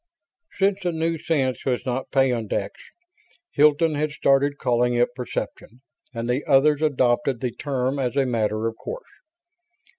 Since the new sense was not peyondix, Hilton had started calling it "perception" and the others adopted the term as a matter of course.